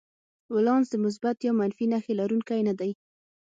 ولانس د مثبت یا منفي نښې لرونکی نه دی.